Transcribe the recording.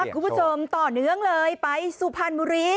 คุณผู้ชมต่อเนื่องเลยไปสุพรรณบุรี